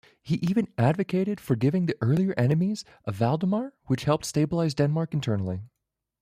He even advocated forgiving the earlier enemies of Valdemar, which helped stabilize Denmark internally.